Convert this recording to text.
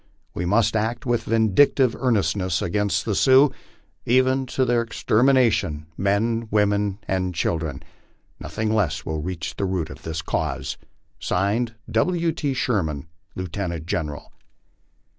We must act with vindictive earnestness against the Sioux, even to their extermination, men, women, and children. Nothing less will reach the root of the case. (Signed) W. T. SHERMAN, Lieutenant General.